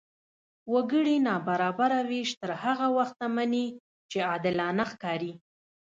وګړي نابرابره وېش تر هغه وخته مني، چې عادلانه ښکاري.